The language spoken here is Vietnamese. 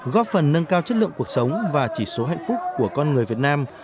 góp phần nâng cao chất lượng cuộc sống và chỉ số hạnh phúc của con người việt nam